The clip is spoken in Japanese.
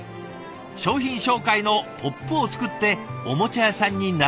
商品紹介のポップを作っておもちゃ屋さんに並べに行くそうです。